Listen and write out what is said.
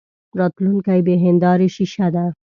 راتلونکې بې هیندارې شیشه ده.